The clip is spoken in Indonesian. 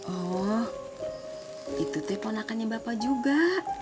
oh itu tipe anakannya bapak juga